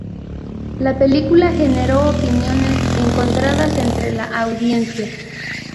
La película generó opiniones encontradas entre la audiencia.